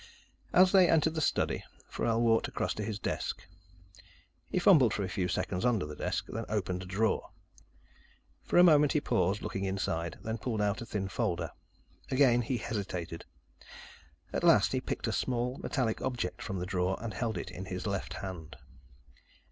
As they entered the study, Forell walked across to his desk. He fumbled for a few seconds under the desk, then opened a drawer. For a moment, he paused, looking inside, then pulled out a thin folder. Again, he hesitated. At last, he picked a small, metallic object from the drawer and held it in his left hand.